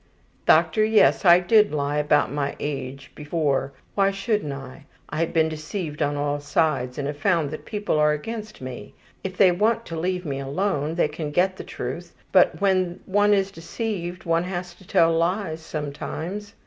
``Doctor, yes, I did lie to you about my age before; why shouldn't I? I have been deceived on all sides and have found that people are against me. If they want to leave me alone, they can get the truth, but when one is deceived one has to tell lies sometimes.